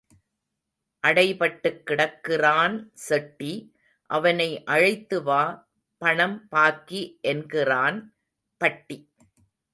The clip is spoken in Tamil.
அடைபட்டுக் கிடக்கிறான் செட்டி அவனை அழைத்து வா, பணம் பாக்கி என்கிறான் பட்டி.